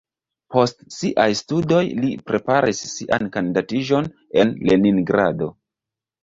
Post siaj studoj li preparis sian kandidatiĝon en Leningrado.